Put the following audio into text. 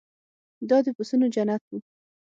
دا د پسونو جنت و.